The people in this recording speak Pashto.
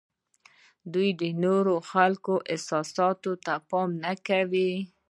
دوی د نورو خلکو حساسیت ته پام نه کوي.